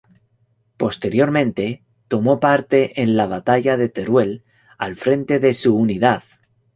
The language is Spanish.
Posteriormente tomó parte en la batalla de Teruel al frente de su unidad.